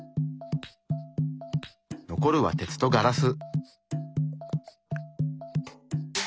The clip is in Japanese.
残るは鉄とガラス。